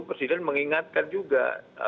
presiden mengingatkan juga